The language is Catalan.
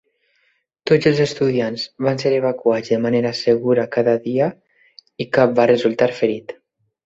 Tots els estudiants van ser evacuats de manera segura cada dia i cap va resultar ferit.